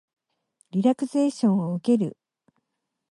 リラクゼーションを受ける